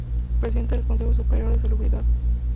Presidente del Consejo Superior de Salubridad.